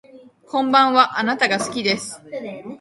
こんばんはあなたが好きです